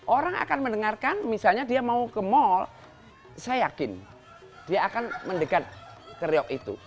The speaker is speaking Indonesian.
orang akan mendengarkan misalnya dia mau ke mall saya yakin dia akan mendekat ke reok itu